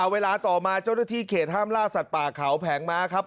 เวลาต่อมาเจ้าหน้าที่เขตห้ามล่าสัตว์ป่าเขาแผงม้าครับ